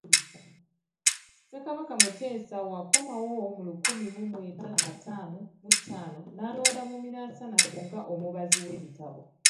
Ssekabaka Muteesa bw’akomawo mu lukumi mu lwenda ataano mu ttaano, n’alonda Mumiransanafu ng'omubazi w’ebitabo.